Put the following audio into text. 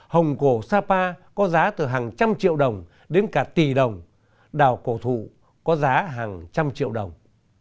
hồng cổ sapa có giá từ hàng trăm triệu đồng đến cả tỷ đồng đào cổ thụ có giá hàng trăm triệu đồng